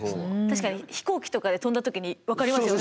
確かに飛行機とかで飛んだ時に分かりますよね。